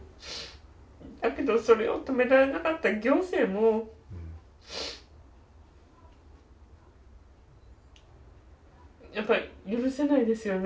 だけど、それを止められなかった行政もやっぱり許せないですよね。